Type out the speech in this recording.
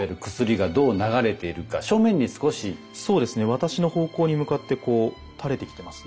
私の方向に向かってこう垂れてきてますね。